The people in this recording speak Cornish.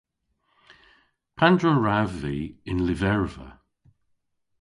Pandr'a wrav vy y'n lyverva?